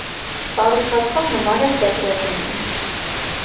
Կառուցվածքով նման է սեկրետինին։